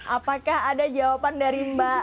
apakah ada jawabannya yang bisa ditampilkan di layar